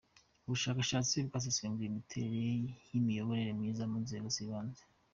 Ubushakashatsi bwasesenguye imiterere y’imiyoborere myiza mu nzego z’ibanze.